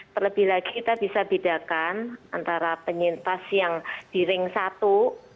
terlebih lagi kita bisa bedakan antara penyintas yang di ring satu